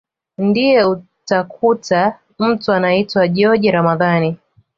Ndio utakuta mtu anaitwa joji Ramadhani